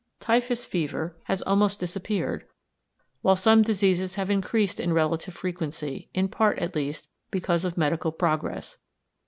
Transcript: Typhus fever has almost disappeared, while some diseases have increased in relative frequency, in part, at least, because of medical progress.